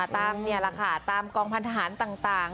นี่แหละค่ะตามกองพันธหารต่าง